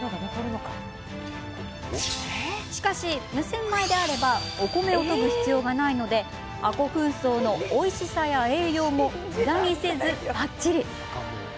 しかし、無洗米であればお米をとぐ必要がないので亜糊粉層のおいしさや栄養もむだにせず、ばっちりです。